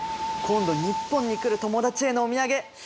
今度日本に来る友達へのお土産。